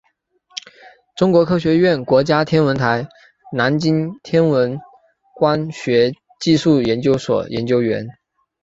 中国科学院国家天文台南京天文光学技术研究所研究员。